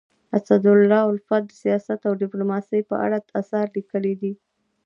اسدالله الفت د سیاست او ډيپلوماسی په اړه اثار لیکلي دي.